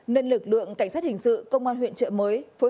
nên lực lượng cảnh sát hình sự công an huyện chợ mới